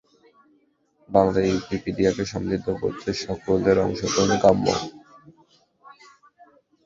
বাংলা উইকপিডিয়াকে সমৃদ্ধ করতে সকলের অংশগ্রহণ কাম্য।